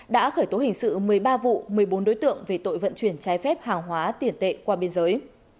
đã khởi tố hình sự một mươi ba vụ một mươi bốn đối tượng về tội vận chuyển trái phép hàng hóa tiền tệ qua biên giới